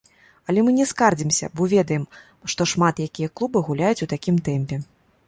Але мы не скардзімся, бо ведаем, што шмат якія клубы гуляюць у такім тэмпе.